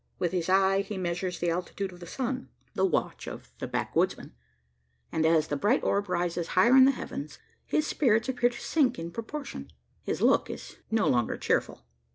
With his eye he measures the altitude of the sun the watch of the backwoodsman and as the bright orb rises higher in the heavens, his spirits appear to sink in proportion. His look is no longer cheerful.